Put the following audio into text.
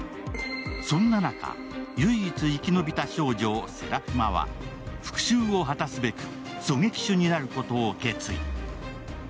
そんな中、唯一生き延びた少女・セラフィマは復讐を果たすべく狙撃手になることを決意。